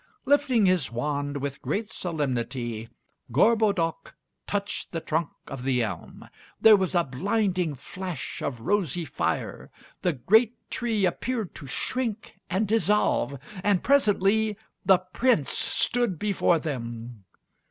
Lifting his wand with great solemnity, Gorbodoc touched the trunk of the elm. There was a blinding flash of rosy fire; the great tree appeared to shrink and dissolve, and presently the Prince stood before them.